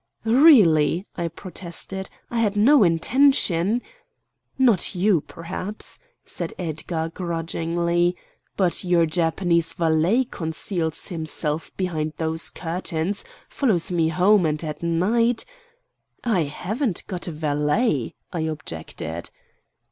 "Really," I protested, "I had no intention——" "Not you, perhaps," said Edgar grudgingly; "but your Japanese valet conceals himself behind those curtains, follows me home, and at night——" "I haven't got a valet," I objected.